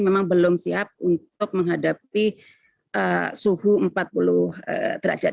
memang belum siap untuk menghadapi suhu empat puluh derajat